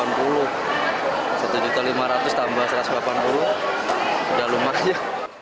rp satu lima juta tambah rp satu ratus delapan puluh ya lumanya